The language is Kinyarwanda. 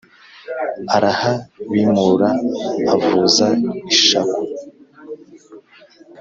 arahabimura, avuza ishako!